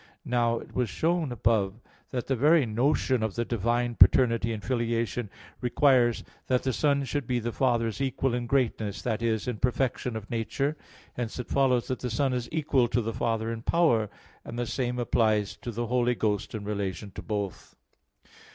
Now it was shown above (A. 4) that the very notion of the divine paternity and filiation requires that the Son should be the Father's equal in greatness that is, in perfection of nature. Hence it follows that the Son is equal to the Father in power; and the same applies to the Holy Ghost in relation to both.